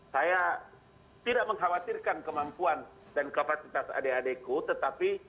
saya tidak mengkhawatirkan kemampuan dan kapasitas adek adeku tetapi